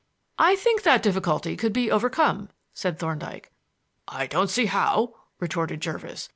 "I think that difficulty could be overcome," said Thorndyke. "I don't see how," retorted Jervis.